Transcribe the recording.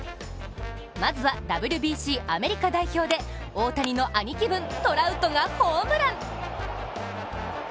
まずはＷＢＣアメリカ代表で大谷の兄貴分・トラウトがホームラン。